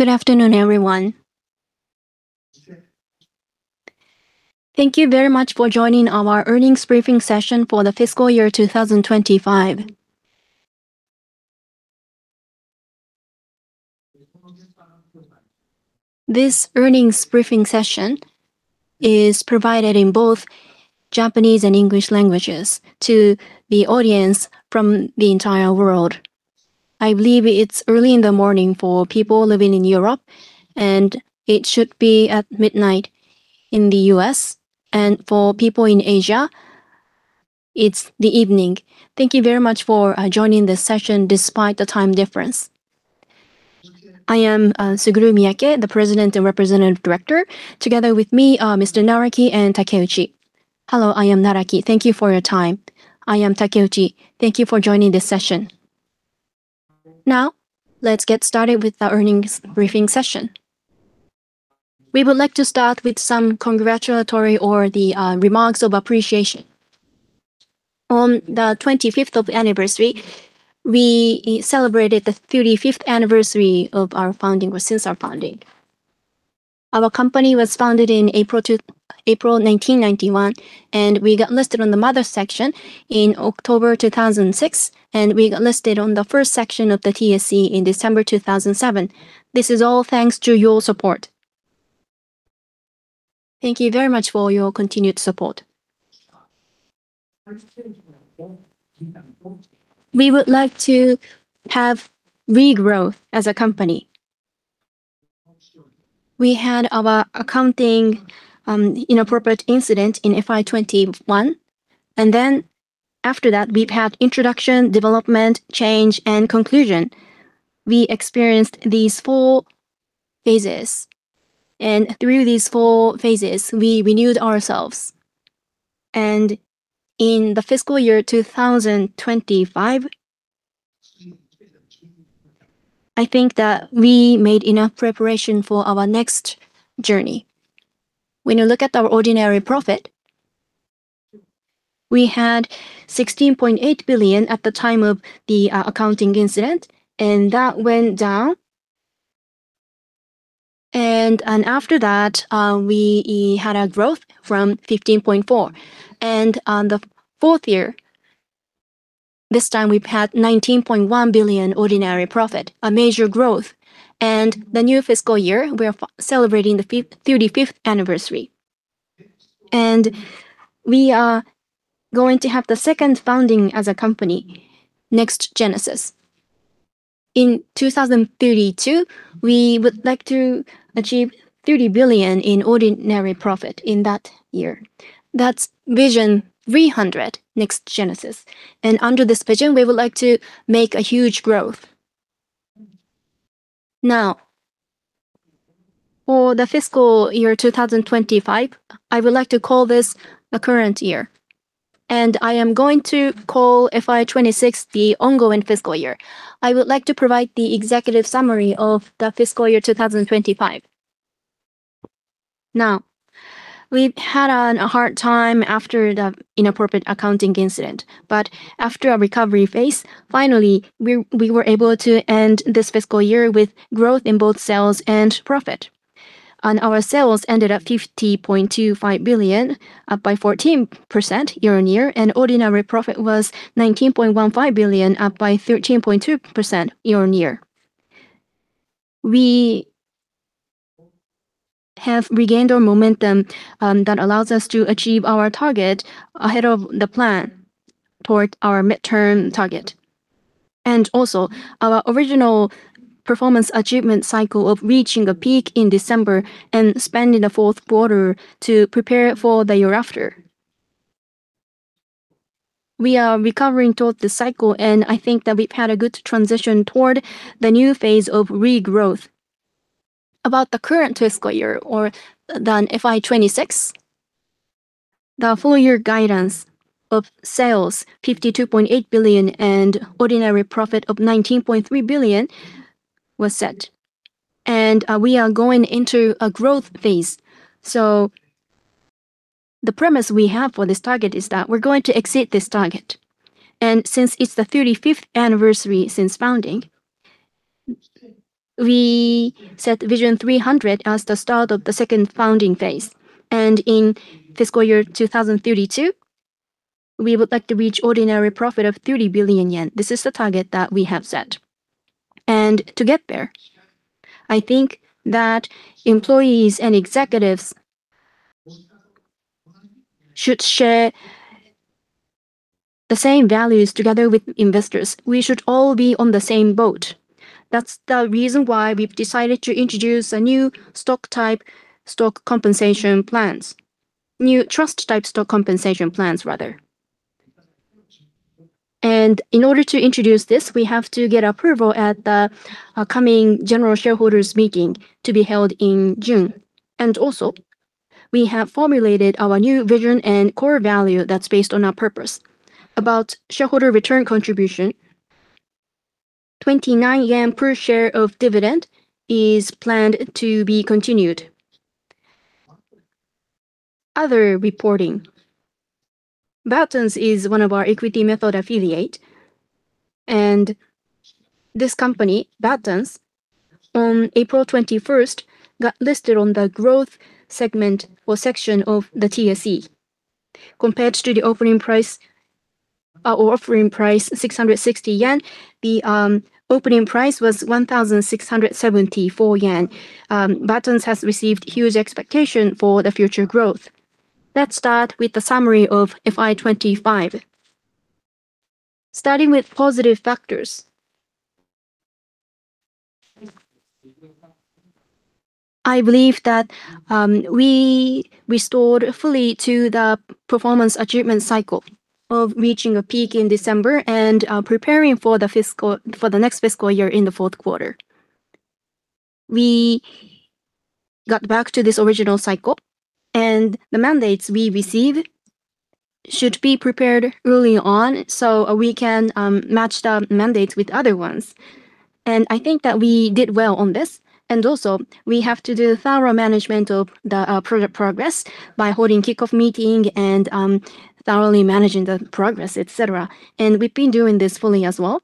Good afternoon, everyone. Thank you very much for joining our earnings briefing session for the fiscal year 2025. This earnings briefing session is provided in both Japanese and English languages to the audience from the entire world. I believe it's early in the morning for people living in Europe, it should be at midnight in the U.S., for people in Asia, it's the evening. Thank you very much for joining this session despite the time difference. I am Suguru Miyake, the President and Representative Director. Together with me are Mr. Naraki and Takeuchi. Hello, I am Naraki. Thank you for your time. I am Takeuchi. Thank you for joining this session. Let's get started with the earnings briefing session. We would like to start with some congratulatory or the remarks of appreciation. On the 25th of April, we celebrated the 35th anniversary of our founding or since our founding. Our company was founded in April 1991. We got listed on the Mothers section in October 2006. We got listed on the First Section of the TSE in December 2007. This is all thanks to your support. Thank you very much for your continued support. We would like to have regrowth as a company. We had our accounting inappropriate incident in FY 2021. Then after that, we've had introduction, development, change, and conclusion. We experienced these four phases. Through these four phases, we renewed ourselves. In the fiscal year 2025, I think that we made enough preparation for our next journey. When you look at our ordinary profit, we had 16.8 billion at the time of the accounting incident, and that went down. After that, we had a growth from 15.4 billion. On the fourth year, this time we've had 19.1 billion ordinary profit, a major growth. The new fiscal year, we are celebrating the 35th anniversary. We are going to have the second founding as a company, Next GENESIS. In 2032, we would like to achieve 30 billion in ordinary profit in that year. That's Vision 300, Next GENESIS. Under this vision, we would like to make a huge growth. Now, for the fiscal year 2025, I would like to call this the current year, and I am going to call FY 2026 the ongoing fiscal year. I would like to provide the executive summary of the fiscal year 2025. We've had a hard time after the inappropriate accounting incident. After a recovery phase, finally, we were able to end this fiscal year with growth in both sales and profit. Our sales ended at 50.25 billion, up by 14% year-over-year, and ordinary profit was 19.15 billion, up by 13.2% year-over-year. We have regained our momentum that allows us to achieve our target ahead of the plan toward our midterm target. Our original performance achievement cycle of reaching a peak in December and spending the fourth quarter to prepare for the year after. We are recovering toward the cycle, and I think that we've had a good transition toward the new phase of regrowth. About the current fiscal year or the FY 2026, the full year guidance of sales, 52.8 billion, and ordinary profit of 19.3 billion was set. We are going into a growth phase. The premise we have for this target is that we're going to exceed this target. Since it's the 35th anniversary since founding, we set Vision 300 as the start of the second founding phase. In fiscal year 2032, we would like to reach ordinary profit of 30 billion yen. This is the target that we have set. To get there, I think that employees and executives should share the same values together with investors. We should all be on the same boat. That's the reason why we've decided to introduce a new stock type stock compensation plans. New trust type stock compensation plans, rather. In order to introduce this, we have to get approval at the coming general shareholders meeting to be held in June. Also, we have formulated our new vision and core value that's based on our purpose. About shareholder return contribution, 29 yen per share of dividend is planned to be continued. Other reporting. Batonz is one of our equity method affiliate, and this company, Batonz, on April 21st, got listed on the Growth section or segment of the TSE. Compared to the opening price or offering price 660 yen, the opening price was 1,674 yen. Batonz has received huge expectation for the future growth. Let's start with the summary of FY 2025. Starting with positive factors. I believe that we restored fully to the performance achievement cycle of reaching a peak in December and preparing for the next fiscal year in the fourth quarter. We got back to this original cycle. The mandates we receive should be prepared early on so we can match the mandates with other ones. I think that we did well on this. Also we have to do thorough management of the progress by holding kickoff meeting and thoroughly managing the progress, et cetera. We've been doing this fully as well.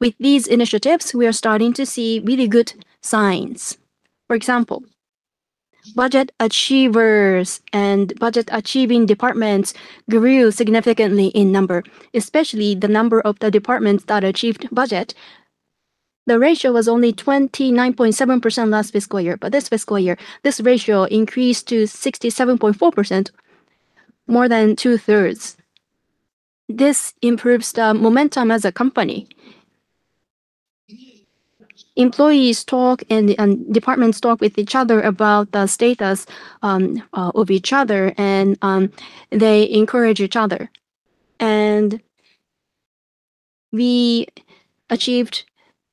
With these initiatives, we are starting to see really good signs. For example, budget achievers and budget-achieving departments grew significantly in number, especially the number of the departments that achieved budget. The ratio was only 29.7% last fiscal year. This fiscal year, this ratio increased to 67.4%, more than 2/3. This improves the momentum as a company. Employees talk and departments talk with each other about the status of each other and they encourage each other. We achieved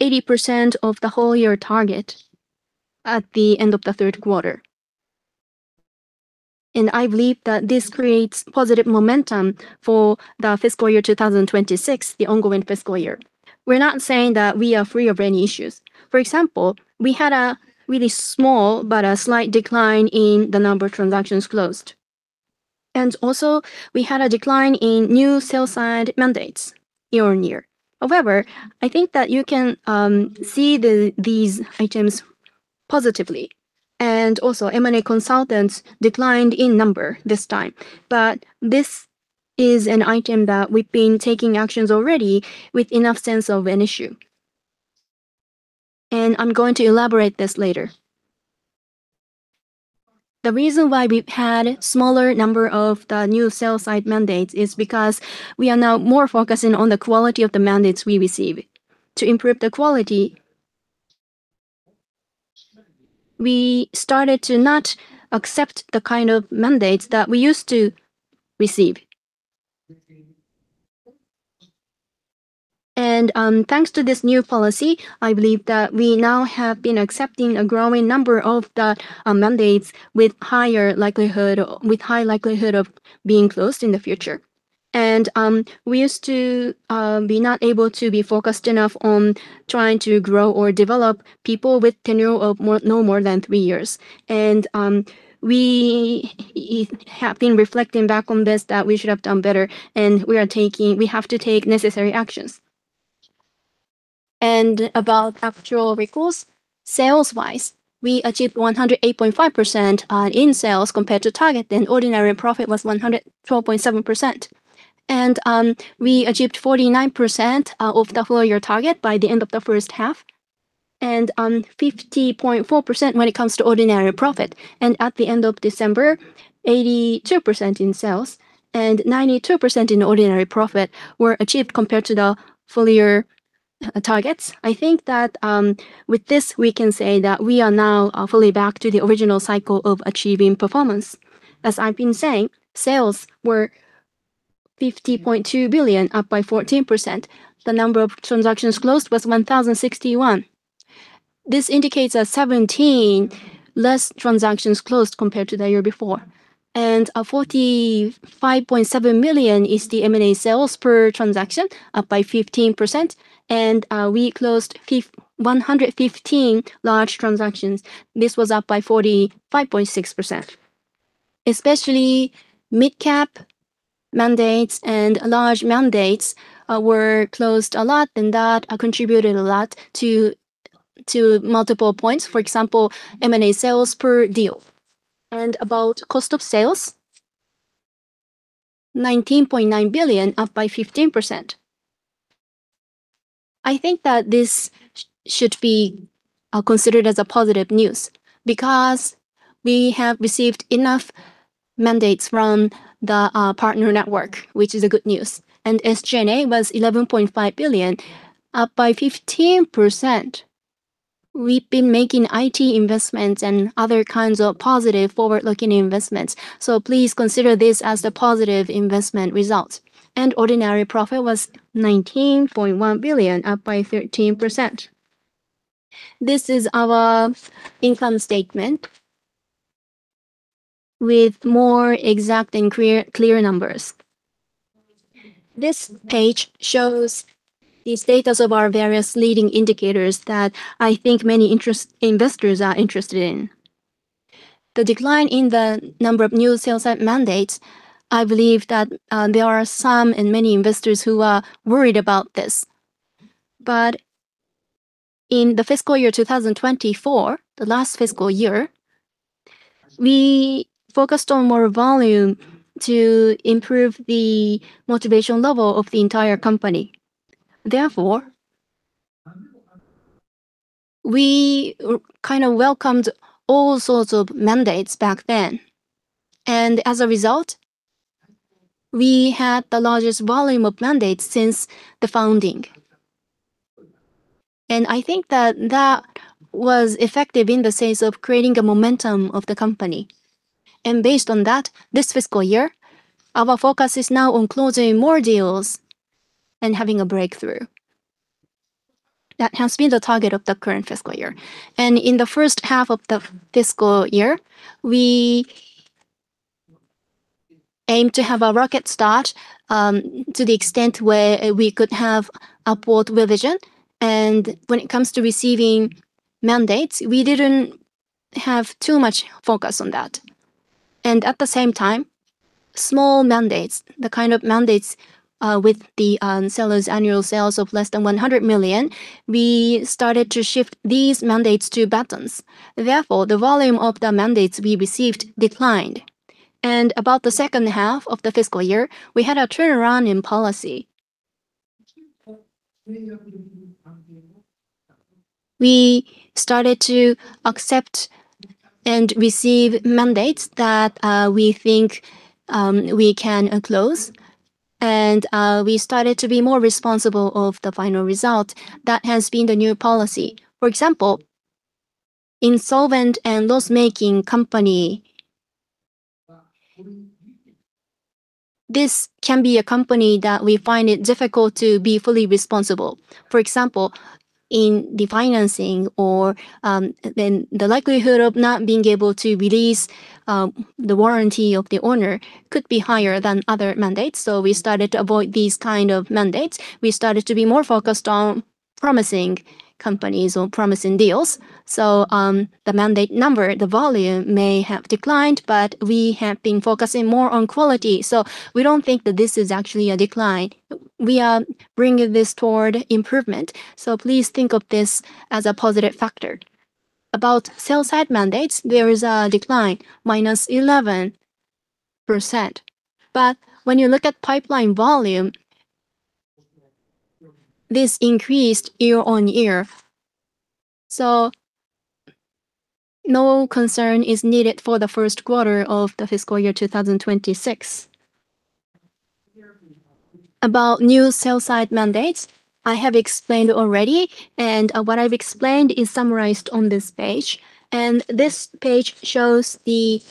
80% of the whole year target at the end of the third quarter. I believe that this creates positive momentum for the fiscal year 2026, the ongoing fiscal year. We're not saying that we are free of any issues. For example, we had a really small but a slight decline in the number of transactions closed. We had a decline in new sell-side mandates year-on-year. However, I think that you can see these items positively. M&A consultants declined in number this time. This is an item that we've been taking actions already with enough sense of an issue. I'm going to elaborate this later. The reason why we've had smaller number of the new sell-side mandates is because we are now more focusing on the quality of the mandates we receive. To improve the quality, we started to not accept the kind of mandates that we used to receive. Thanks to this new policy, I believe that we now have been accepting a growing number of the mandates with higher likelihood or with high likelihood of being closed in the future. We used to be not able to be focused enough on trying to grow or develop people with tenure of more, no more than three years. We have been reflecting back on this that we should have done better and we have to take necessary actions. About actual recourse, sales-wise, we achieved 108.5% in sales compared to target, and ordinary profit was 112.7%. We achieved 49% of the full-year target by the end of the first half and 50.4% when it comes to ordinary profit. At the end of December, 82% in sales and 92% in ordinary profit were achieved compared to the full year targets. I think that with this we can say that we are now fully back to the original cycle of achieving performance. As I've been saying, sales were 50.2 billion, up by 14%. The number of transactions closed was 1,061. This indicates a 17 less transactions closed compared to the year before. 45.7 million is the M&A sales per transaction, up by 15%. We closed 115 large transactions. This was up by 45.6%. Especially mid-cap mandates and large mandates were closed a lot, and that contributed a lot to multiple points. For example, M&A sales per deal. About cost of sales, JPY 19.9 billion, up by 15%. I think that this should be considered as a positive news because we have received enough mandates from the partner network, which is a good news. SG&A was 11.5 billion, up by 15%. We've been making IT investments and other kinds of positive forward-looking investments, so please consider this as the positive investment results. Ordinary profit was 19.1 billion, up by 13%. This is our income statement with more exact and clear numbers. This page shows the status of our various leading indicators that I think many investors are interested in. The decline in the number of new sales and mandates, I believe that there are some and many investors who are worried about this. In the fiscal year 2024, the last fiscal year, we focused on more volume to improve the motivation level of the entire company. We kind of welcomed all sorts of mandates back then and as a result, we had the largest volume of mandates since the founding. I think that that was effective in the sense of creating a momentum of the company. Based on that, this fiscal year, our focus is now on closing more deals and having a breakthrough. That has been the target of the current fiscal year. In the first half of the fiscal year, we aim to have a rocket start to the extent where we could have upward revision. When it comes to receiving mandates, we didn't have too much focus on that. At the same time, small mandates, the kind of mandates with the seller's annual sales of less than 100 million, we started to shift these mandates to Batonz. Therefore, the volume of the mandates we received declined. About the second half of the fiscal year, we had a turnaround in policy. We started to accept and receive mandates that we think we can close. We started to be more responsible of the final result. That has been the new policy. For example, insolvent and loss-making company, this can be a company that we find it difficult to be fully responsible. For example, in the financing or, then the likelihood of not being able to release the warranty of the owner could be higher than other mandates. We started to avoid these kind of mandates. We started to be more focused on promising companies or promising deals. The mandate number, the volume may have declined, but we have been focusing more on quality. We don't think that this is actually a decline. We are bringing this toward improvement. Please think of this as a positive factor. About sell-side mandates, there is a decline, -11%. When you look at pipeline volume, this increased year-over-year. No concern is needed for the first quarter of the fiscal year 2026. About new sell-side mandates, I have explained already, and what I've explained is summarized on this page. This page shows the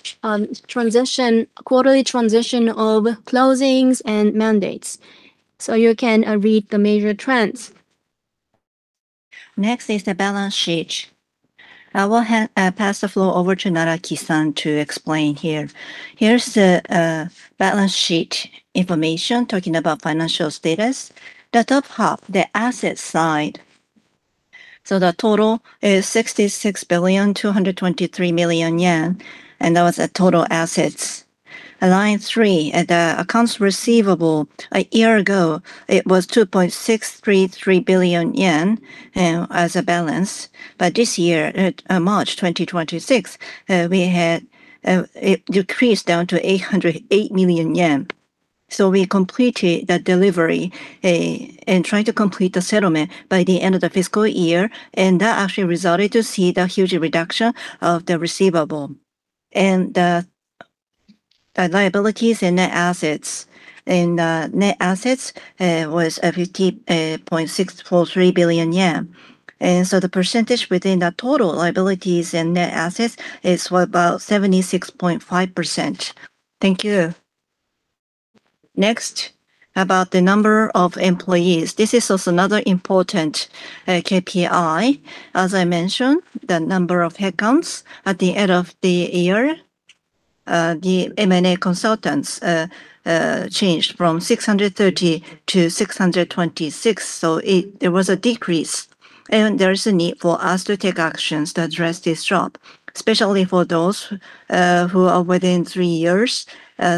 quarterly transition of closings and mandates. You can read the major trends. Next is the balance sheet. I will pass the floor over to Naraki-san to explain here. Here's the balance sheet information talking about financial status. The top half, the asset side. The total is 66.223 billion, and that was the total assets. Line three, at the accounts receivable, a year ago, it was 2.633 billion yen as a balance. This year, at March 2026, we had it decreased down to 808 million yen. We completed the delivery and trying to complete the settlement by the end of the fiscal year, and that actually resulted to see the huge reduction of the receivable. The liabilities and net assets. Net assets was 50.643 billion yen. The percentage within the total liabilities and net assets is about 76.5%. Thank you. Next, about the number of employees. This is also another important KPI. As I mentioned, the number of headcounts at the end of the year, the M&A consultants, changed from 630 to 626. There was a decrease, and there is a need for us to take actions to address this drop, especially for those who are within three years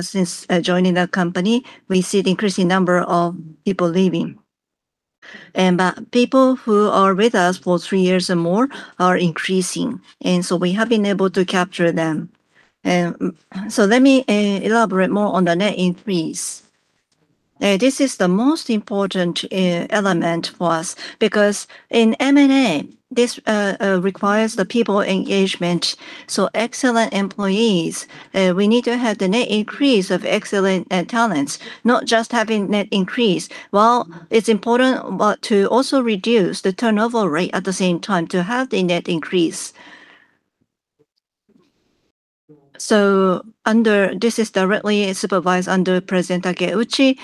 since joining the company. We see the increasing number of people leaving. People who are with us for three years or more are increasing, we have been able to capture them. Let me elaborate more on the net increase. This is the most important element for us because in M&A, this requires the people engagement. Excellent employees, we need to have the net increase of excellent talents, not just having net increase. While it's important, but to also reduce the turnover rate at the same time to have the net increase. This is directly supervised under President Takeuchi.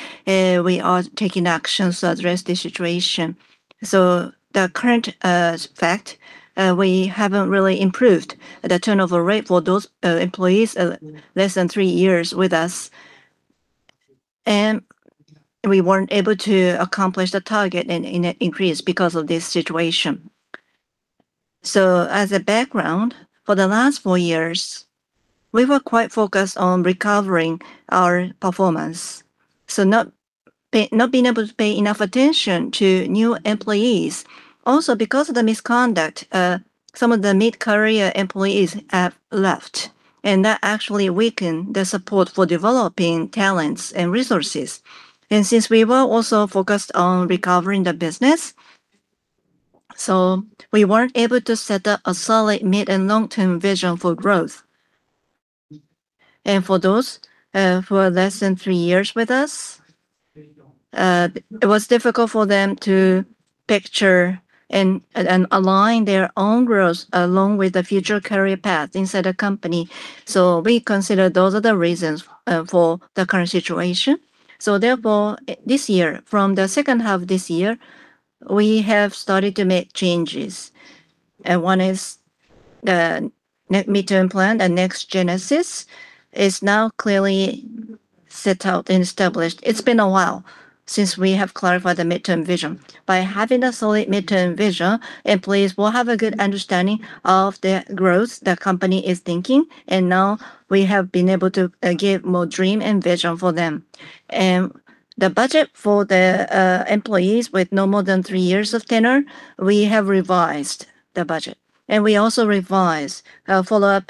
We are taking actions to address the situation. The current fact, we haven't really improved the turnover rate for those employees less than three years with us. We weren't able to accomplish the target and increase because of this situation. As a background, for the last four years, we were quite focused on recovering our performance, not being able to pay enough attention to new employees. Because of the misconduct, some of the mid-career employees have left, and that actually weakened the support for developing talents and resources. Since we were also focused on recovering the business, we weren't able to set up a solid mid and long-term vision for growth. For those who are less than three years with us, it was difficult for them to picture and align their own growth along with the future career path inside the company. We consider those are the reasons for the current situation. Therefore, this year, from the second half this year, we have started to make changes. One is the net midterm plan and Next GENESIS is now clearly set out and established. It's been a while since we have clarified the midterm vision. By having a solid midterm vision, employees will have a good understanding of the growth the company is thinking, and now we have been able to give more dream and vision for them. The budget for the employees with no more than three years of tenure, we have revised the budget. We also revised our follow-up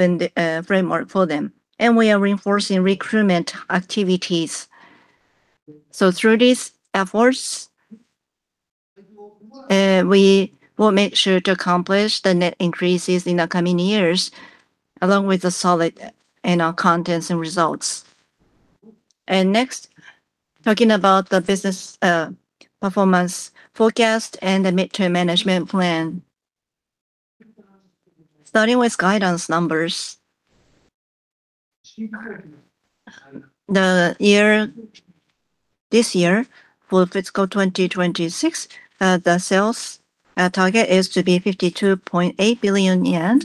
and framework for them. We are reinforcing recruitment activities. Through these efforts, we will make sure to accomplish the net increases in the coming years, along with the solid in our contents and results. Next, talking about the business performance forecast and the midterm management plan. Starting with guidance numbers, the year, this year, for fiscal 2026, the sales target is to be 52.8 billion yen.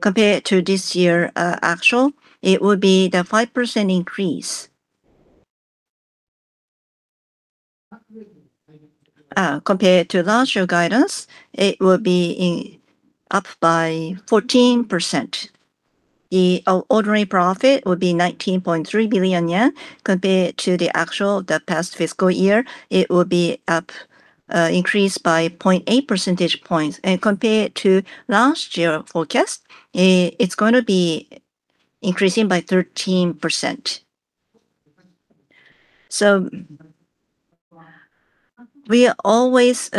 Compared to this year, actual, it would be the 5% increase. Compared to last year guidance, it would be up by 14%. The ordinary profit would be 19.3 billion yen compared to the actual past fiscal year. It would be up, increase by 0.8 percentage points. Compared to last year forecast, it's going to be increasing by 13%. We always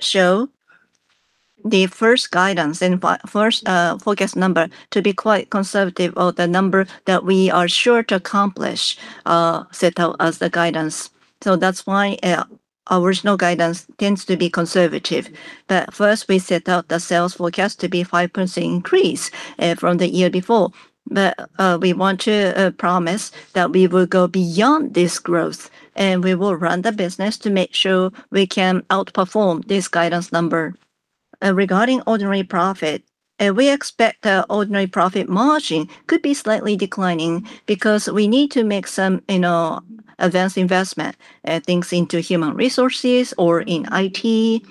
show the first guidance and first forecast number to be quite conservative or the number that we are sure to accomplish, set out as the guidance. That's why our original guidance tends to be conservative. First, we set out the sales forecast to be 5% increase from the year before. We want to promise that we will go beyond this growth, and we will run the business to make sure we can outperform this guidance number. Regarding ordinary profit, we expect the ordinary profit margin could be slightly declining because we need to make some, you know, advanced investment things into human resources or in IT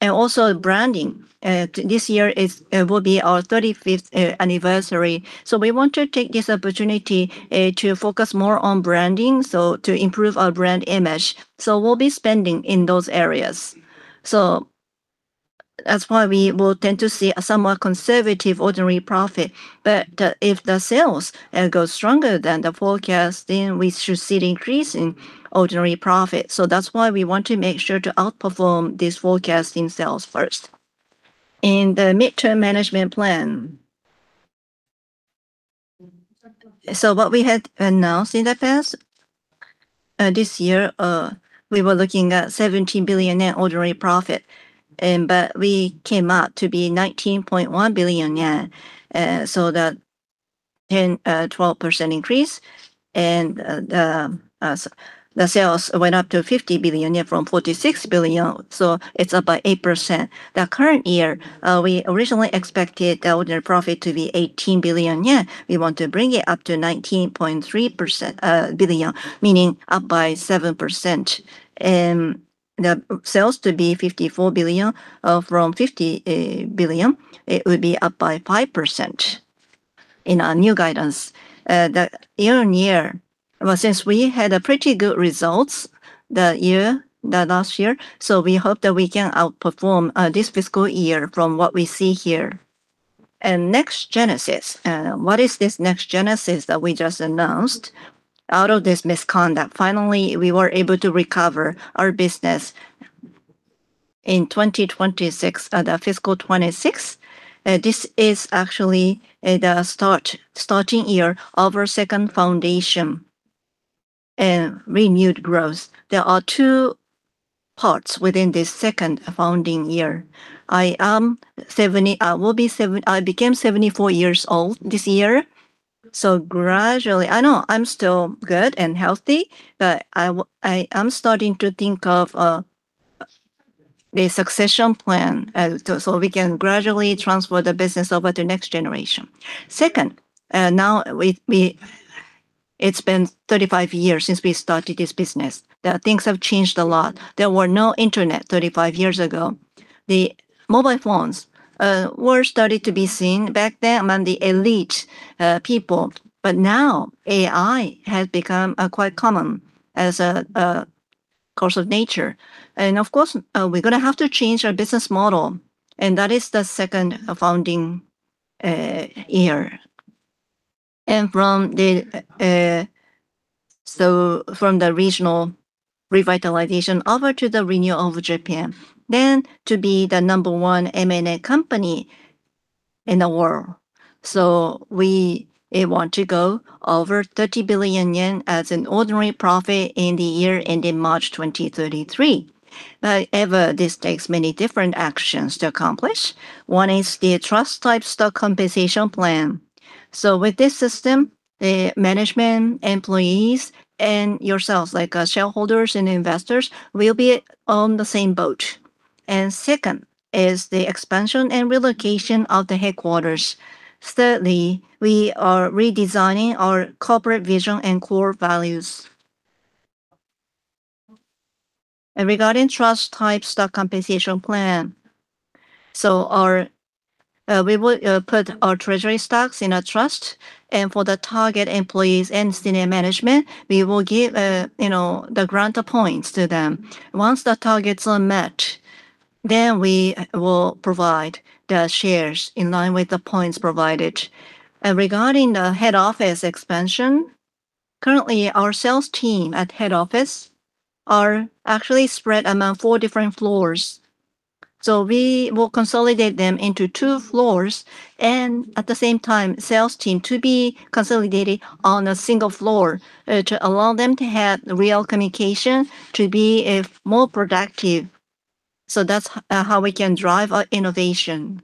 and also branding. This year is, will be our 35th anniversary, so we want to take this opportunity to focus more on branding, so to improve our brand image. We'll be spending in those areas. That's why we will tend to see a somewhat conservative ordinary profit. If the sales go stronger than the forecast, then we should see the increase in ordinary profit. That's why we want to make sure to outperform this forecast in sales first. In the midterm management plan. What we had announced in the past, this year, we were looking at 17 billion yen ordinary profit, but we came out to be 19.1 billion yen, so that 12% increase. The sales went up to 50 billion yen from 46 billion, so it is up by 8%. The current year, we originally expected the ordinary profit to be 18 billion yen. We want to bring it up to 19.3 billion, meaning up by 7%, the sales to be 54 billion, from 50 billion, it would be up by 5% in our new guidance. The year-over-year, well, since we had pretty good results that year, last year, we hope that we can outperform this fiscal year from what we see here. Next GENESIS. What is this Next GENESIS that we just announced? Out of this misconduct, finally, we were able to recover our business in 2026, the FY 2026. This is actually the starting year of our second founding and renewed growth. There are two parts within this second founding year. I became 74 years old this year. Gradually, I know I'm still good and healthy, but I am starting to think of the succession plan so we can gradually transfer the business over to next generation. Second, now it's been 35 years since we started this business. The things have changed a lot. There were no internet 35 years ago. The mobile phones were started to be seen back then among the elite people. Now AI has become quite common as a course of nature. Of course, we're gonna have to change our business model, and that is the second founding year, from the regional revitalization over to the renewal of Japan, then to be the number one M&A company in the world. We want to go over 30 billion yen as an ordinary profit in the year ending March 2033. However, this takes many different actions to accomplish. One is the trust type stock compensation plan. With this system, the management employees and yourselves, like as shareholders and investors, will be on the same boat. Second is the expansion and relocation of the headquarters. Thirdly, we are redesigning our corporate vision and core values. Regarding Trust Type Stock Compensation Plan, we will put our treasury stocks in a trust, and for the target employees and senior management, we will give, you know, the grant points to them. Once the targets are met, then we will provide the shares in line with the points provided. Regarding the head office expansion, currently our sales team at head office are actually spread among four different floors. We will consolidate them into two floors, and at the same time, sales team to be consolidated on a single floor, to allow them to have real communication to be more productive. That's how we can drive our innovation.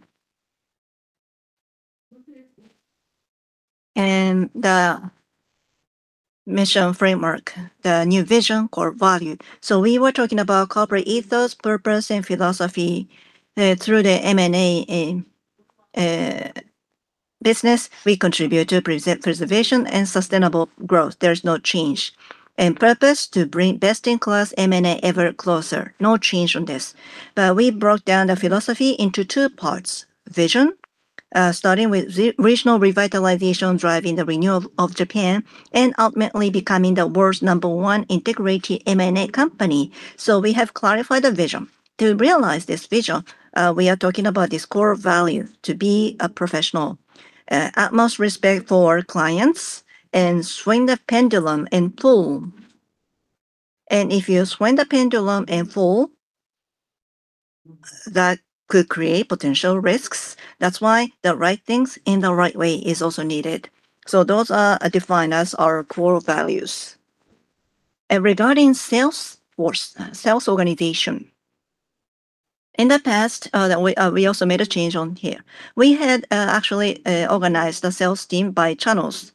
The mission framework, the new vision, core value. We were talking about corporate ethos, purpose, and philosophy, through the M&A and business. We contribute to preservation and sustainable growth. There is no change. Purpose, to bring best-in-class M&A ever closer. No change on this. We broke down the philosophy into two parts. Vision, starting with regional revitalization, driving the renewal of Japan, and ultimately becoming the world's number one integrated M&A company. We have clarified the vision. To realize this vision, we are talking about these core values. To be a professional, utmost respect for clients, swing the pendulum and pull. If you swing the pendulum and pull, that could create potential risks. That's why the right things in the right way is also needed. Those are defined as our core values. Regarding sales force, sales organization. In the past, we also made a change on here. We had, actually, organized the sales team by channels.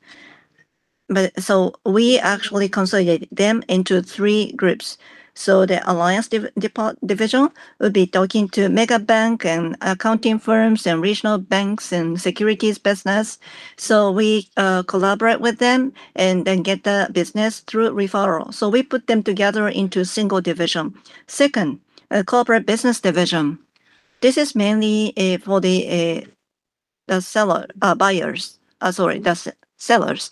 We actually consolidated them into three groups. The Alliances Division would be talking to mega bank and accounting firms and regional banks and securities business. We collaborate with them and then get the business through referral. We put them together into single division. Second, Corporate Business Division. This is mainly for the seller, buyers. Sorry, the sellers.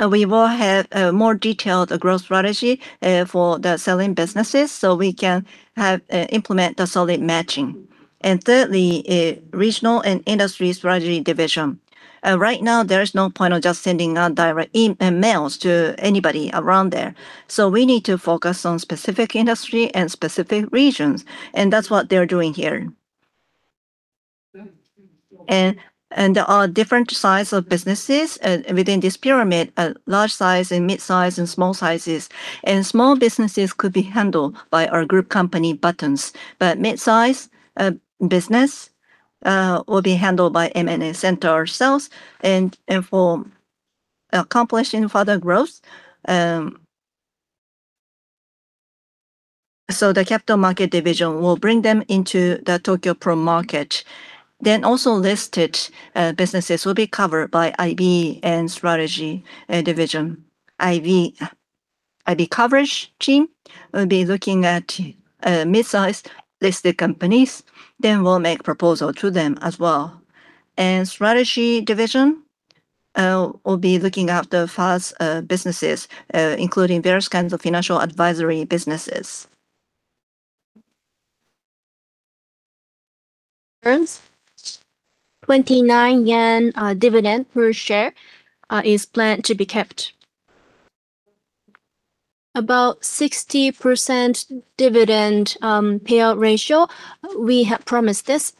We will have a more detailed growth strategy for the selling businesses, so we can implement the solid matching. Thirdly, Regional & Industry Strategy Division. Right now there is no point of just sending out direct emails to anybody around there. We need to focus on specific industry and specific regions, and that's what they're doing here. There are different size of businesses within this pyramid, large size and midsize and small sizes. Small businesses could be handled by our group company Batonz. Mid-size business will be handled by M&A Center ourselves and for accomplishing further growth. The Capital Market Division will bring them into the TOKYO PRO Market. Also listed businesses will be covered by IB and Strategy Division. IB coverage team will be looking at mid-sized listed companies, will make proposal to them as well. Strategy Division will be looking at the fast businesses, including various kinds of financial advisory businesses. Earns 29 yen dividend per share is planned to be kept. About 60% dividend payout ratio, we have promised this.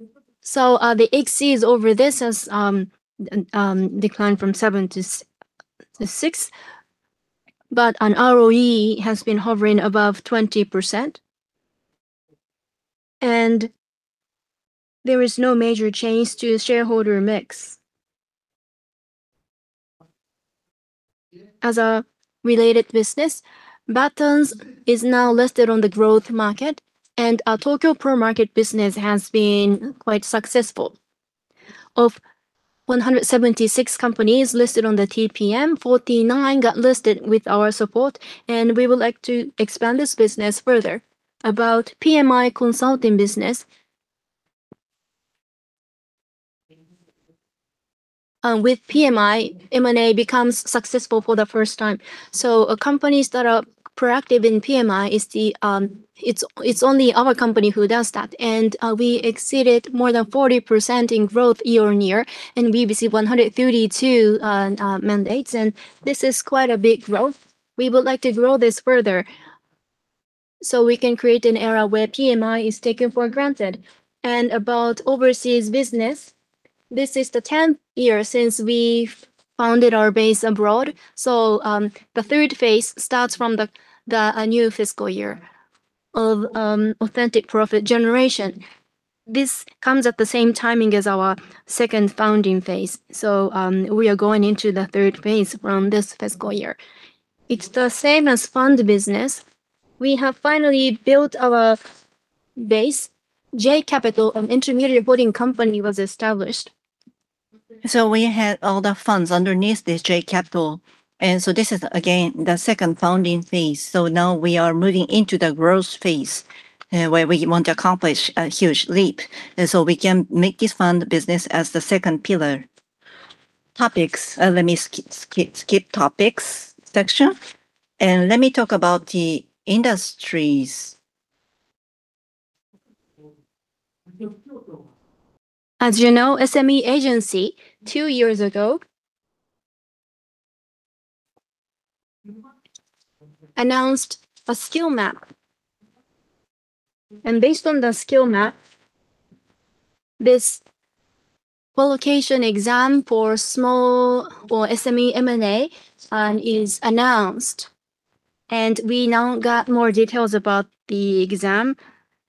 The X is over this as declined from 7% to 6%. An ROE has been hovering above 20%. There is no major change to shareholder mix. As a related business, Batonz. is now listed on the Growth Market and our TOKYO PRO Market business has been quite successful. Of 176 companies listed on the TPM, 49 got listed with our support, we would like to expand this business further. About PMI consulting business. With PMI, M&A becomes successful for the first time. Companies that are proactive in PMI is, it's only our company who does that. We exceeded more than 40% in growth year-over-year, and we received 132 mandates. This is quite a big growth. We would like to grow this further so we can create an era where PMI is taken for granted. About overseas business, this is the 10th year since we founded our base abroad. The third phase starts from the new fiscal year of authentic profit generation. This comes at the same timing as our second founding phase. We are going into the third phase from this fiscal year. It's the same as fund business. We have finally built our base. J-Capital, an intermediary holding company, was established. We had all the funds underneath this J-Capital. This is again the second founding phase. Now we are moving into the growth phase, where we want to accomplish a huge leap. We can make this fund business as the second pillar. Topics. Let me skip topics section. Let me talk about the industries. As you know, SME Agency, two years ago announced a Skill Map. Based on the Skill Map, this qualification exam for small or SME M&A is announced. We now got more details about the exam.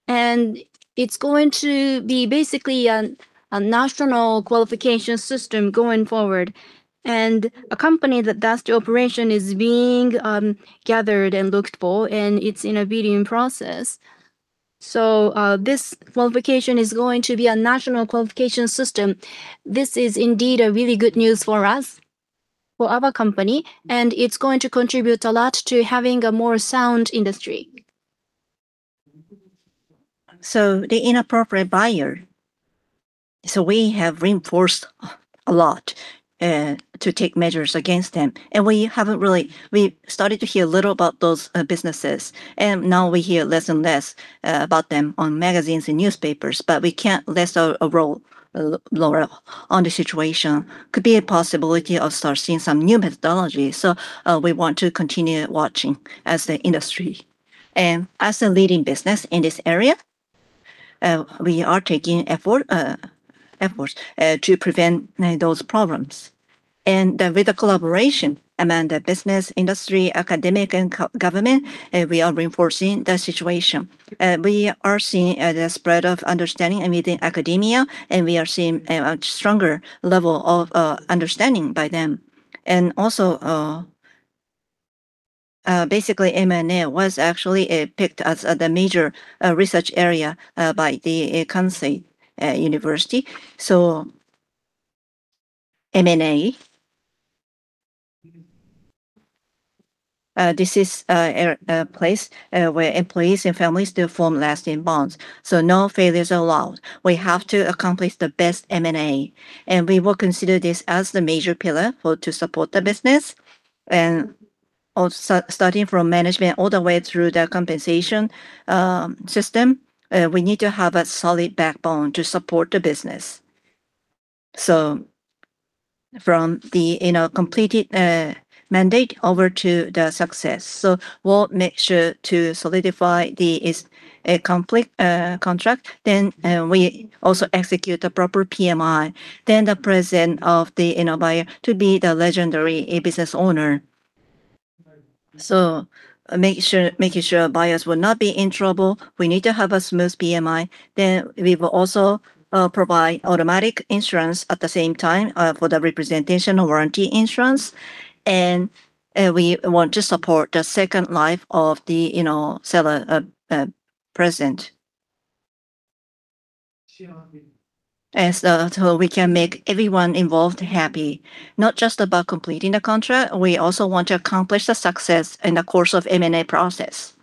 It's going to be basically a national qualification system going forward. A company that does the operation is being gathered and looked for, and it's in a bidding process. This qualification is going to be a national qualification system. This is indeed a really good news for us, for our company, and it's going to contribute a lot to having a more sound industry. the inappropriate buyer. We have reinforced a lot to take measures against them. We started to hear a little about those businesses, and now we hear less and less about them on magazines and newspapers, but we can't rest our role laurel on the situation. Could be a possibility of start seeing some new methodology. We want to continue watching as the industry and as a leading business in this area, we are taking efforts to prevent those problems. With the collaboration among the business, industry, academic, and government, we are reinforcing the situation. We are seeing the spread of understanding within academia, and we are seeing a much stronger level of understanding by them. Basically M&A was actually picked as the major research area by the Kansai University. M&A. This is a place where employees and families still form lasting bonds, so no failures allowed. We have to accomplish the best M&A, and we will consider this as the major pillar for to support the business. Starting from management all the way through the compensation system, we need to have a solid backbone to support the business. From the, you know, completed mandate over to the success. We'll make sure to solidify the contract. We also execute the proper PMI. The president of the, you know, buyer to be the legendary e-business owner. Making sure buyers will not be in trouble, we need to have a smooth PMI. We will also provide automatic insurance at the same time for the representation of warranty insurance. We want to support the second life of the, you know, seller present. We can make everyone involved happy, not just about completing the contract. We also want to accomplish the success in the course of M&A process.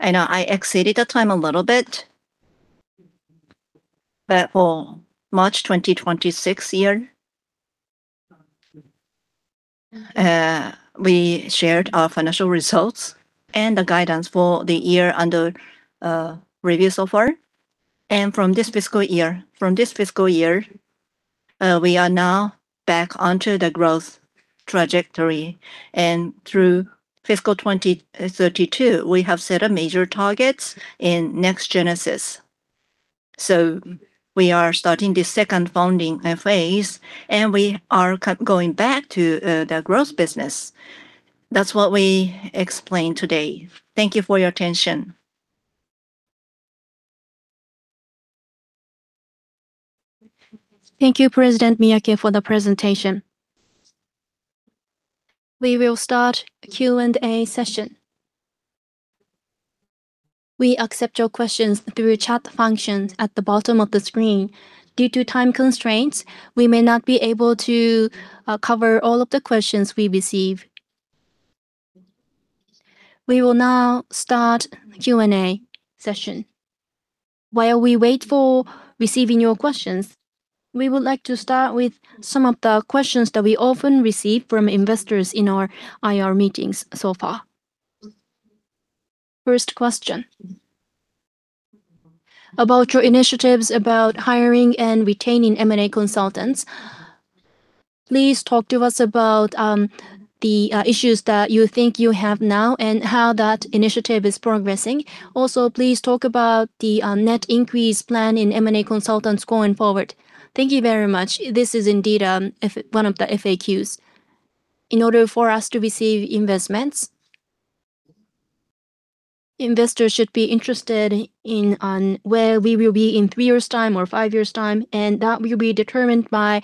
I know I exceeded the time a little bit. For March 2026, we shared our financial results and the guidance for the year under review so far. From this fiscal year, we are now back onto the growth trajectory. Through fiscal 2032, we have set a major targets in Next GENESIS. We are starting the second founding phase, and we are going back to the growth business. That's what we explained today. Thank you for your attention. Thank you, President Miyake, for the presentation. We will start Q&A session. We accept your questions through chat functions at the bottom of the screen. Due to time constraints, we may not be able to cover all of the questions we receive. We will now start Q&A session. While we wait for receiving your questions, we would like to start with some of the questions that we often receive from investors in our IR meetings so far. First question. About your initiatives about hiring and retaining M&A consultants, please talk to us about the issues that you think you have now and how that initiative is progressing. Also, please talk about the net increase plan in M&A consultants going forward. Thank you very much. This is indeed one of the FAQs. In order for us to receive investments, investors should be interested in, on where we will be in three years' time or five years' time, and that will be determined by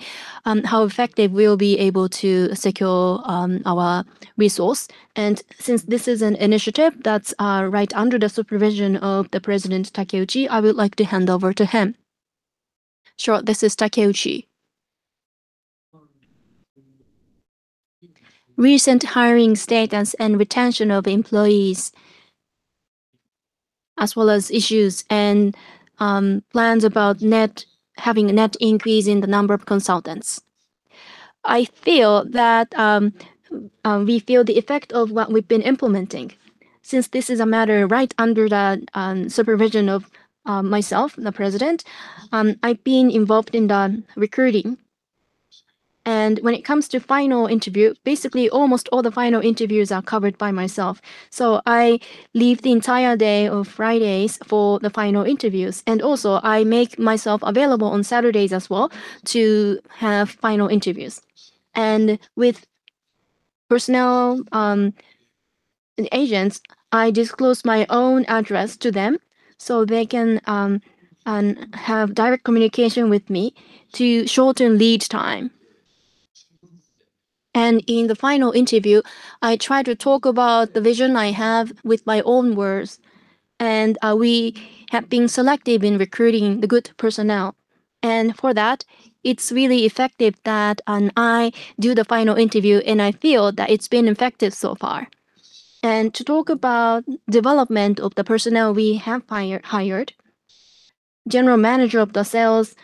how effective we'll be able to secure our resource. And since this is an initiative that's right under the supervision of the President Takeuchi, I would like to hand over to him. Sure. This is Takeuchi. Recent hiring status and retention of employees, as well as issues and plans about net, having a net increase in the number of consultants. I feel that we feel the effect of what we've been implementing. Since this is a matter right under the supervision of myself, the President, I've been involved in the recruiting. When it comes to final interview, basically almost all the final interviews are covered by myself. I leave the entire day of Fridays for the final interviews, and also I make myself available on Saturdays as well to have final interviews. With personnel agents, I disclose my own address to them so they can have direct communication with me to shorten lead time. In the final interview, I try to talk about the vision I have with my own words. We have been selective in recruiting the good personnel. For that, it's really effective that I do the final interview, and I feel that it's been effective so far. To talk about development of the personnel we have hired, general manager of the sales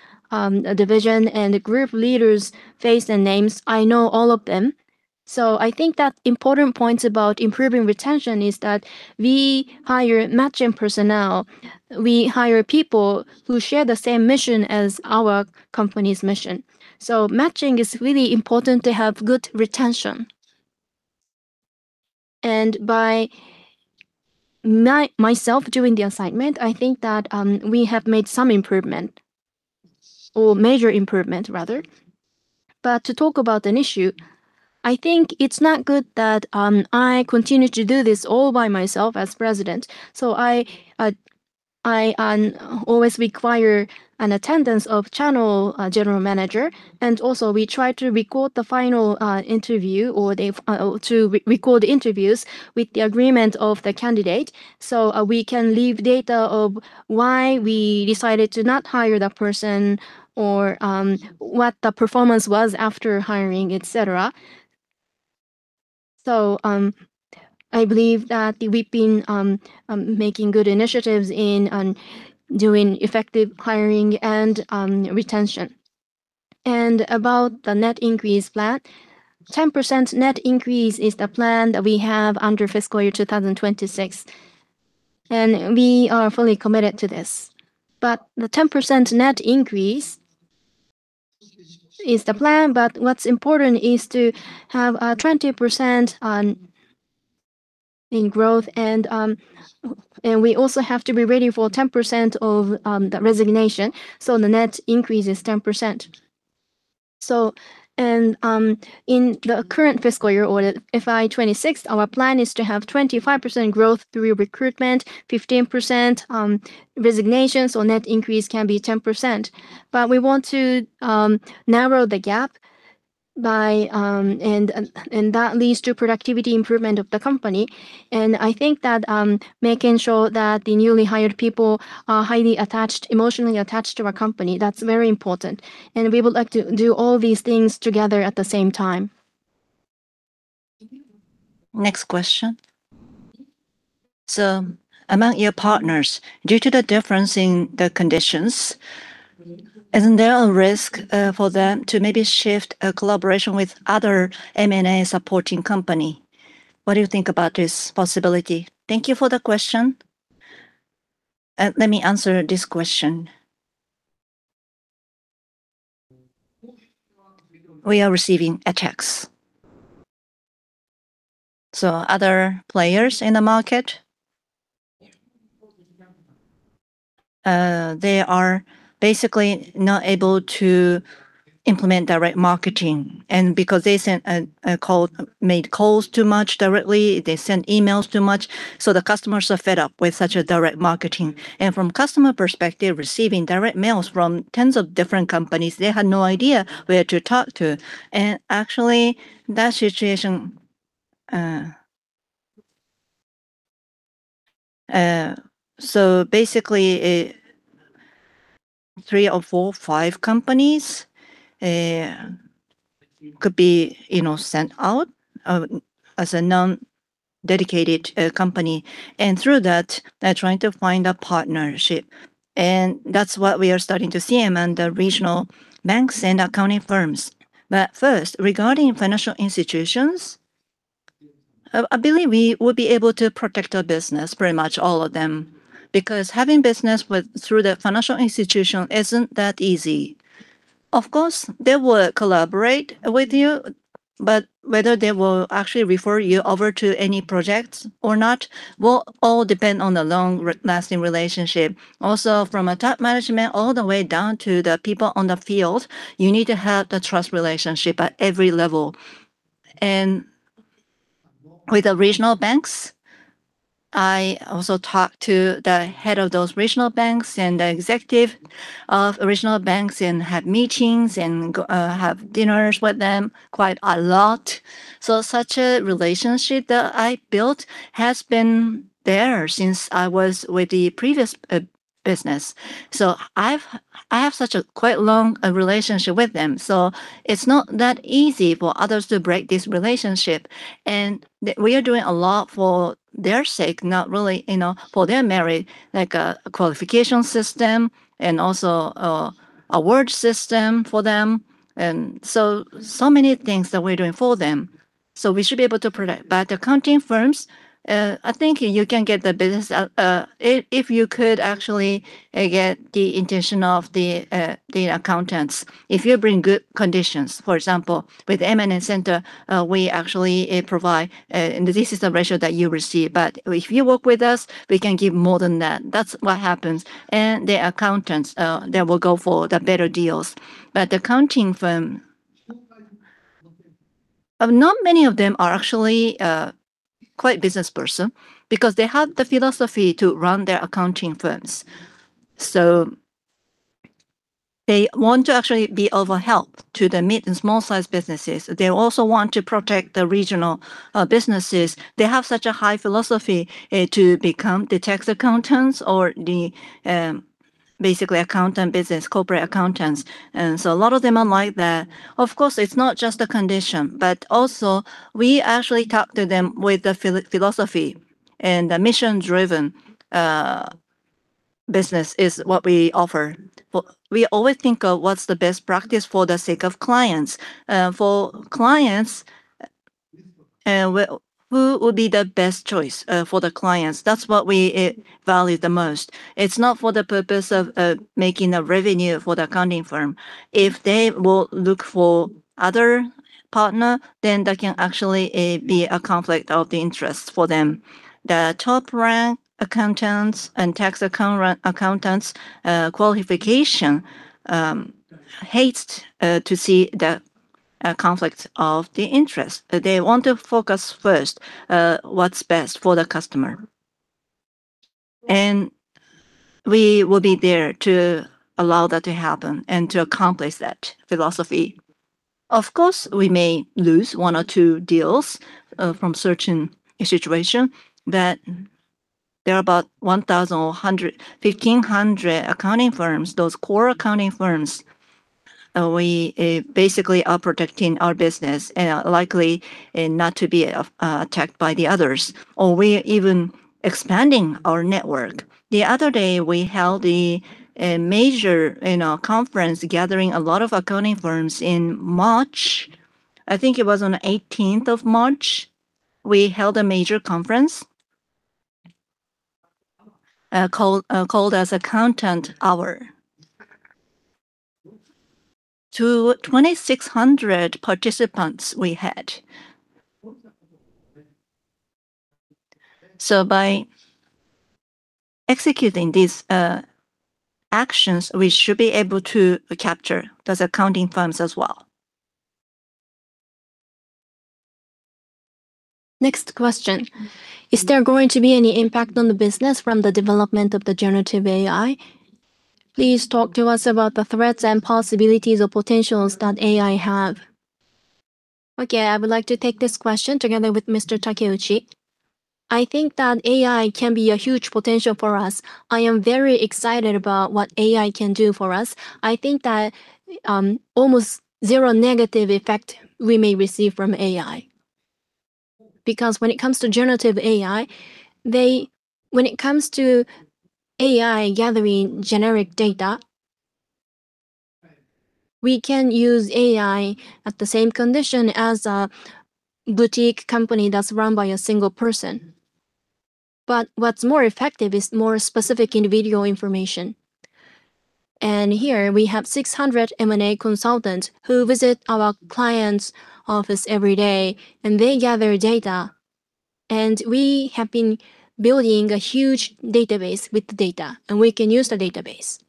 division and the group leaders' face and names, I know all of them. I think that important points about improving retention is that we hire matching personnel. We hire people who share the same mission as our company's mission. Matching is really important to have good retention. By myself doing the assignment, I think that we have made some improvement or major improvement rather. To talk about an issue, I think it's not good that I continue to do this all by myself as president. I always require an attendance of channel general manager, and also we try to record the final interview or to re-record interviews with the agreement of the candidate, so we can leave data of why we decided to not hire that person or what the performance was after hiring, et cetera. I believe that we've been making good initiatives in doing effective hiring and retention. About the net increase plan, 10% net increase is the plan that we have under FY 2026. We are fully committed to this. The 10% net increase is the plan, what's important is to have 20% in growth and we also have to be ready for 10% of the resignation, so the net increase is 10%. In the current fiscal year or the FY 2026, our plan is to have 25% growth through recruitment, 15% resignations or net increase can be 10%. We want to narrow the gap by and that leads to productivity improvement of the company. I think that making sure that the newly hired people are highly attached, emotionally attached to our company, that's very important. We would like to do all these things together at the same time. Next question. Among your partners, due to the difference in the conditions, isn't there a risk for them to maybe shift a collaboration with other M&A supporting company? What do you think about this possibility? Thank you for the question. Let me answer this question. We are receiving a text. Other players in the market, they are basically not able to implement direct marketing. Because they sent a call, made calls too much directly, they send emails too much, so the customers are fed up with such a direct marketing. From customer perspective, receiving direct mails from tens of different companies, they had no idea where to talk to. Actually, that situation, so basically, three or four, five companies could be, you know, sent out as a non-dedicated company. Through that, they're trying to find a partnership. That's what we are starting to see among the regional banks and accounting firms. First, regarding financial institutions, I believe we will be able to protect our business, pretty much all of them, because having business with, through the financial institution isn't that easy. Of course, they will collaborate with you, but whether they will actually refer you over to any projects or not will all depend on the long-lasting relationship. Also, from a top management all the way down to the people on the field, you need to have the trust relationship at every level. With the regional banks, I also talk to the head of those regional banks and the executive of regional banks and have meetings and have dinners with them quite a lot. Such a relationship that I built has been there since I was with the previous business. I have such a quite long relationship with them, so it's not that easy for others to break this relationship. We are doing a lot for their sake, not really, you know, for their merit, like a qualification system and also, award system for them. So many things that we're doing for them, so we should be able to protect. Accounting firms, I think you can get the business, if you could actually get the intention of the accountants. If you bring good conditions, for example, with M&A Center, we actually provide, this is the ratio that you receive, but if you work with us, we can give more than that. That's what happens. The accountants, they will go for the better deals. Accounting firm, not many of them are actually quite business person because they have the philosophy to run their accounting firms. They want to actually be of a help to the mid and small-sized businesses. They also want to protect the regional businesses. They have such a high philosophy to become the tax accountants or the basically accountant business, corporate accountants. A lot of them are like that. Of course, it's not just the condition, but also we actually talk to them with the philosophy, and the mission-driven business is what we offer. We always think of what's the best practice for the sake of clients. For clients, who would be the best choice for the clients? That's what we value the most. It's not for the purpose of making a revenue for the accounting firm. If they will look for other partner, then that can actually be a conflict of the interest for them. The top-rank accountants and tax accountants, qualification, hates to see the conflicts of the interest. They want to focus first what's best for the customer. We will be there to allow that to happen and to accomplish that philosophy. Of course, we may lose one or two deals from certain situation, but there are about 1,000 or 1,500 accounting firms, those core accounting firms, we basically are protecting our business likely not to be attacked by the others, or we're even expanding our network. The other day, we held a major, you know, conference gathering a lot of accounting firms in March. I think it was on 18th of March, we held a major conference called as ACCOUNTING DAY. To 2,600 participants we had. By executing these actions, we should be able to capture those accounting firms as well. Next question. Is there going to be any impact on the business from the development of the generative AI? Please talk to us about the threats and possibilities or potentials that AI have. I would like to take this question together with Mr. Takeuchi. I think that AI can be a huge potential for us. I am very excited about what AI can do for us. I think that almost zero negative effect we may receive from AI. When it comes to generative AI, when it comes to AI gathering generic data, we can use AI at the same condition as a boutique company that's run by a single person. What's more effective is more specific individual information. Here we have 600 M&A consultants who visit our clients' office every day, and they gather data. We have been building a huge database with the data, and we can use the database.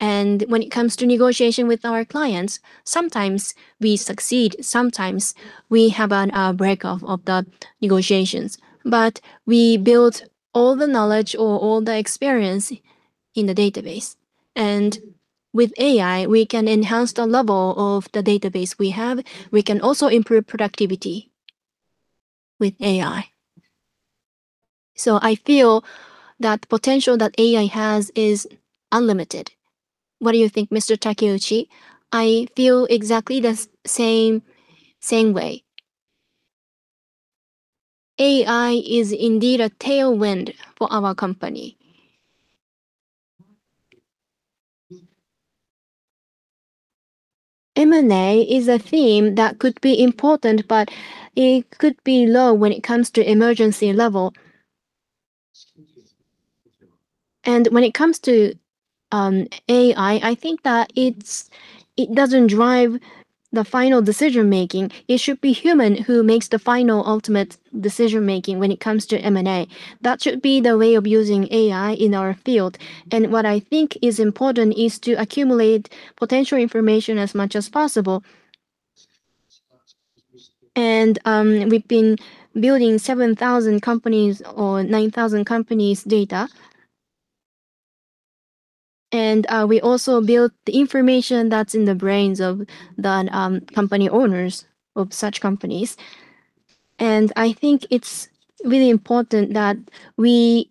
When it comes to negotiation with our clients, sometimes we succeed, sometimes we have a break-off of the negotiations. We build all the knowledge or all the experience in the database. With AI, we can enhance the level of the database we have. We can also improve productivity with AI. I feel that the potential that AI has is unlimited. What do you think, Mr. Takeuchi? I feel exactly the same way. AI is indeed a tailwind for our company. M&A is a theme that could be important, but it could be low when it comes to emergency level. When it comes to AI, I think that it doesn't drive the final decision-making. It should be human who makes the final ultimate decision-making when it comes to M&A. That should be the way of using AI in our field. What I think is important is to accumulate potential information as much as possible. We've been building 7,000 companies or 9,000 companies' data. We also build the information that's in the brains of the company owners of such companies. I think it's really important that we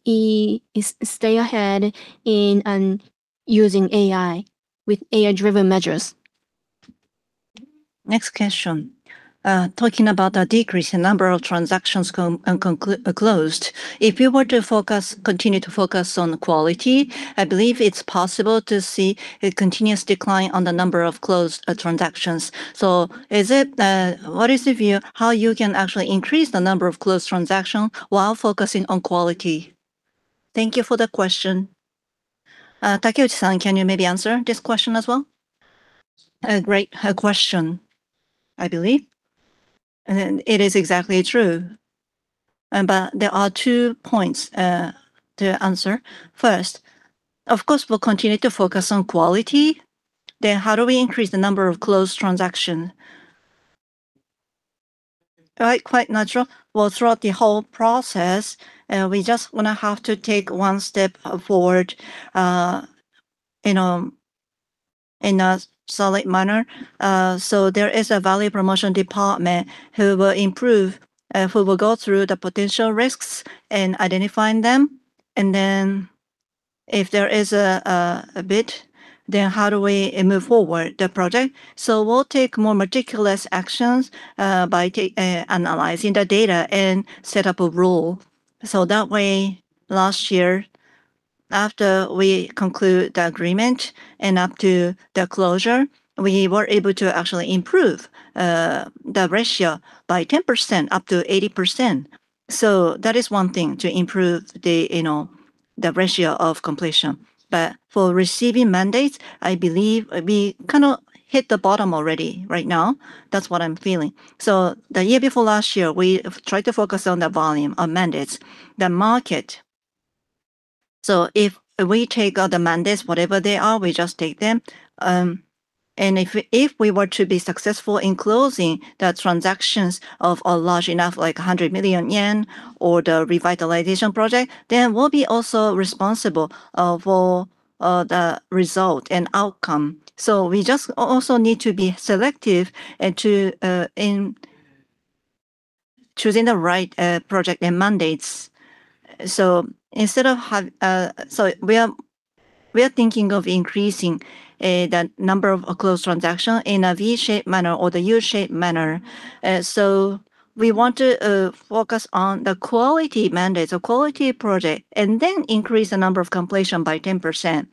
stay ahead in using AI with AI-driven measures. Next question. talking about the decrease in number of transactions closed. If you were to focus, continue to focus on quality, I believe it's possible to see a continuous decline on the number of closed transactions. Is it, what is the view how you can actually increase the number of closed transaction while focusing on quality? Thank you for the question. Takeuchi-san, can you maybe answer this question as well? A great question, I believe. It is exactly true. There are two points to answer. First, of course, we'll continue to focus on quality. How do we increase the number of closed transaction? Quite natural. Well, throughout the whole process, we just wanna have to take one step forward in a solid manner. There is a Value Promotion Department who will improve, who will go through the potential risks and identifying them. If there is a bit, how do we move forward the project? We'll take more meticulous actions by analyzing the data and set up a rule. That way, last year, after we conclude the agreement and up to the closure, we were able to actually improve the ratio by 10%, up to 80%. That is one thing to improve the, you know, the ratio of completion. For receiving mandates, I believe we kinda hit the bottom already right now. That's what I'm feeling. The year before last year, we tried to focus on the volume of mandates, the market. If we take all the mandates, whatever they are, we just take them. And if we were to be successful in closing the transactions of a large enough, like 100 million yen or the revitalization project, then we'll be also responsible for the result and outcome. We just also need to be selective and to in choosing the right project and mandates. We are thinking of increasing the number of closed transaction in a V-shaped manner or the U-shaped manner. We want to focus on the quality mandates or quality project and then increase the number of completion by 10%.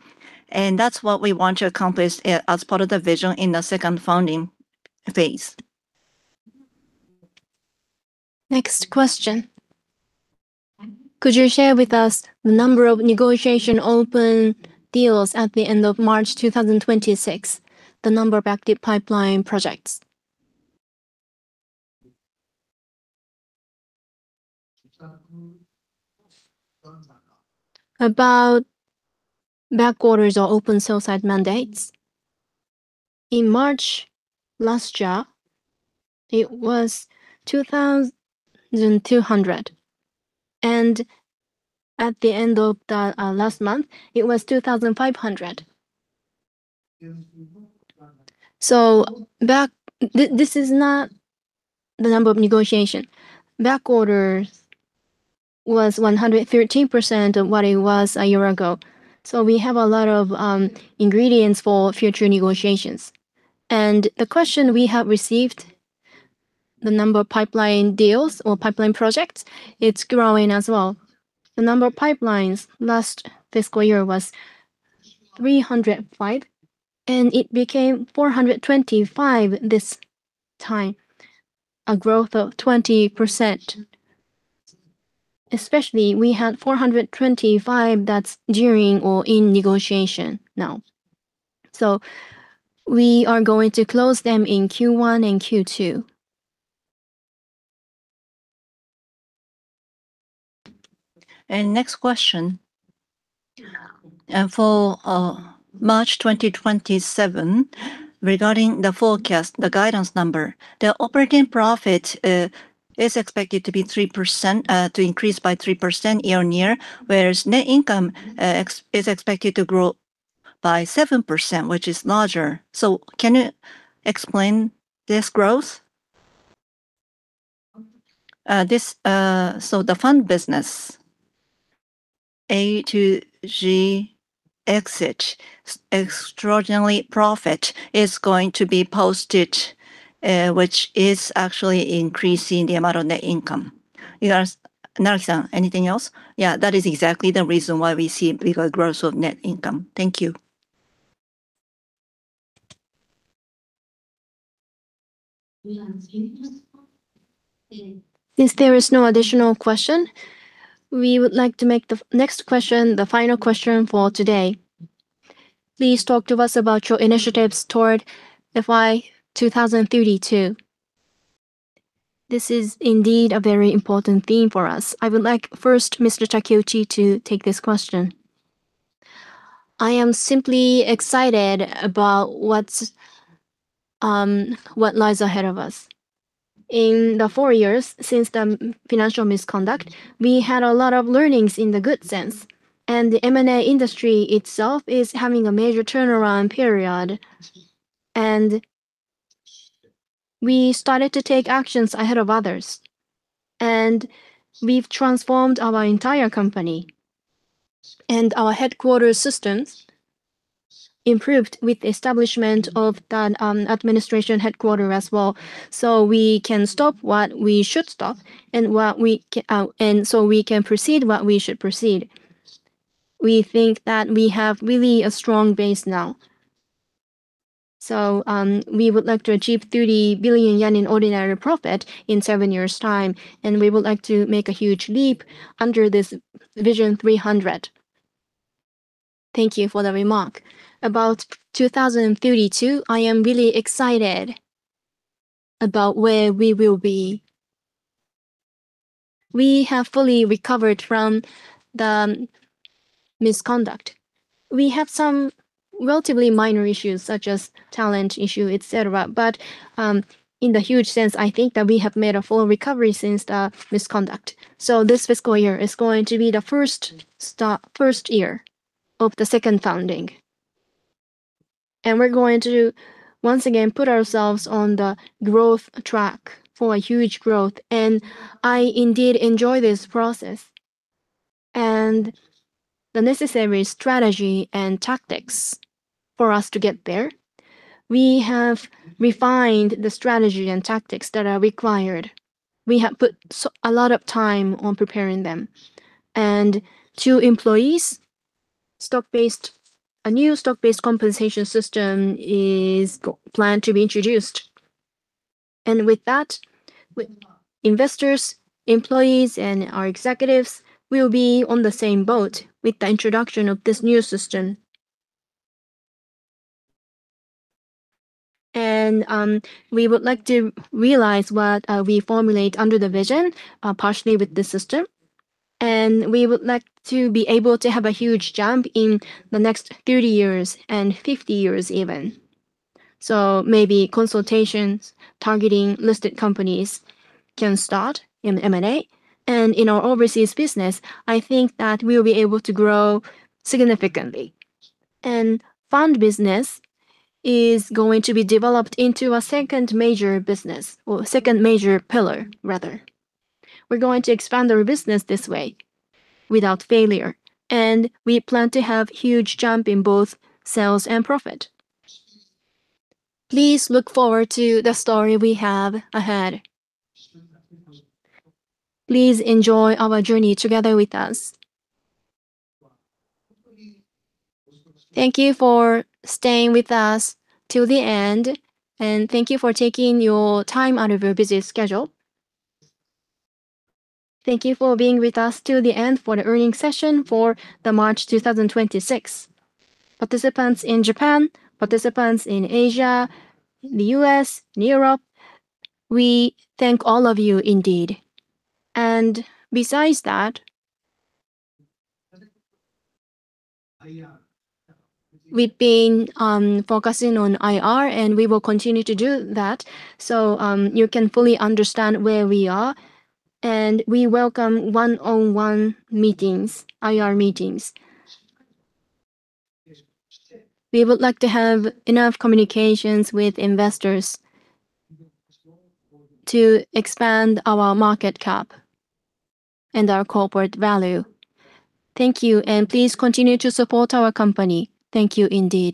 That's what we want to accomplish as part of the vision in the second founding phase. Next question. Could you share with us the number of negotiation open deals at the end of March 2026, the number of active pipeline projects? About back orders or open sell side mandates. In March last year, it was 2,200 orders. At the end of the last month, it was 2,500 orders. This is not the number of negotiation. Back orders was 113% of what it was a year ago. We have a lot of ingredients for future negotiations. The question we have received, the number of pipeline deals or pipeline projects, it's growing as well. The number of pipelines last fiscal year was 305, and it became 425 projects. Time. A growth of 20%. Especially we had 425 projects that's during or in negotiation now. We are going to close them in Q1 and Q2. Next question. For March 2027, regarding the forecast, the guidance number. The operating profit is expected to be 3%, to increase by 3% year on year. Whereas net income is expected to grow by 7%, which is larger. Can you explain this growth? The fund business A to G exit extraordinarily profit is going to be posted, which is actually increasing the amount of net income. Naraki-san, anything else? Yeah, that is exactly the reason why we see bigger growth of net income. Thank you. Since there is no additional question, we would like to make the next question the final question for today. Please talk to us about your initiatives toward FY 2032. This is indeed a very important theme for us. I would like first Mr. Takeuchi to take this question. I am simply excited about what's what lies ahead of us. In the four years since the financial misconduct, we had a lot of learnings in the good sense, and the M&A industry itself is having a major turnaround period. We started to take actions ahead of others, and we've transformed our entire company. Our headquarter systems improved with establishment of the administration headquarter as well. We can stop what we should stop and so we can proceed what we should proceed. We think that we have really a strong base now. We would like to achieve 30 billion yen in ordinary profit in seven years' time, and we would like to make a huge leap under this Vision 300. Thank you for the remark. About 2032, I am really excited about where we will be. We have fully recovered from the misconduct. We have some relatively minor issues such as talent issue, et cetera. In the huge sense, I think that we have made a full recovery since the misconduct. This fiscal year is going to be the first year of the second founding. We're going to once again put ourselves on the growth track for a huge growth. I indeed enjoy this process. The necessary strategy and tactics for us to get there, we have refined the strategy and tactics that are required. We have put a lot of time on preparing them. To employees, stock-based, a new stock-based compensation system is planned to be introduced. With that, investors, employees, and our executives will be on the same boat with the introduction of this new system. We would like to realize what we formulate under the Vision partially with this system. We would like to be able to have a huge jump in the next 30 years and 50 years even. Maybe consultations targeting listed companies can start in M&A. In our overseas business, I think that we'll be able to grow significantly. Fund business is going to be developed into a second major business or second major pillar rather. We're going to expand our business this way without failure. We plan to have huge jump in both sales and profit. Please look forward to the story we have ahead. Please enjoy our journey together with us. Thank you for staying with us till the end, and thank you for taking your time out of your busy schedule. Thank you for being with us till the end for the earnings session for March 2026. Participants in Japan, participants in Asia, the U.S., and Europe, we thank all of you indeed. Besides that, we've been focusing on IR, and we will continue to do that so you can fully understand where we are. We welcome one-on-one meetings, IR meetings. We would like to have enough communications with investors to expand our market cap and our corporate value. Thank you, and please continue to support our company. Thank you indeed.